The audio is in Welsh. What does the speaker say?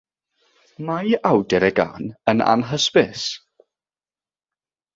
Mae awdur y gân yn anhysbys.